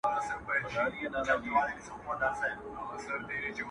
تکه سپینه لکه بته جګه غاړه -